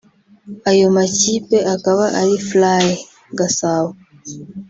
Ayo makipe akaba ari Fly (Gasabo)